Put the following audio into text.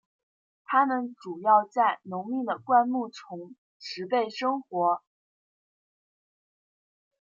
它们主要在浓密的灌木丛植被生活。